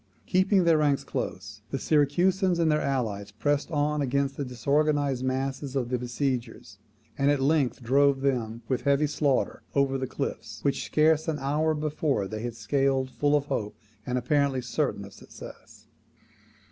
Keeping their ranks close, the Syracusans and their allies pressed on against the disorganized masses of the besiegers; and at length drove them, with heavy slaughter, over the cliffs, which, scarce an hour before, they had scaled full of hope, and apparently certain of success.